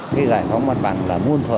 cái giải phóng mặt bằng là nguồn thở